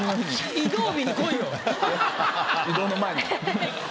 移動の前に。